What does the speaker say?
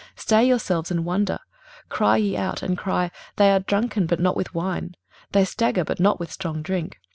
23:029:009 Stay yourselves, and wonder; cry ye out, and cry: they are drunken, but not with wine; they stagger, but not with strong drink.